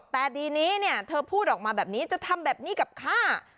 แต่ทีนี้เนี่ยเธอพูดออกมาแบบนี้จะทำแบบนี้กับข้า